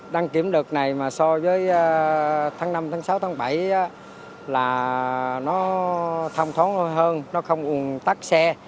đăng kiểm đợt này mà so với tháng năm tháng sáu tháng bảy là nó thong thoáng hơn nó không ồn tắc xe